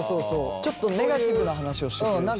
ちょっとネガティブな話をしてくれる人？